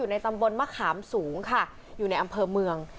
อยู่ในธรรมบนมะขามสูงค่ะอยู่ในอำเภอเมือง